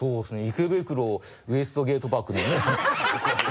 「池袋ウエストゲートパーク」のねハハハ